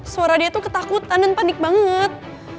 suara dia tuh ketakutan dan panik banget